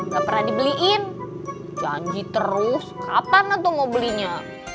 kita dibeliin janji terus kapan nanti mau belinya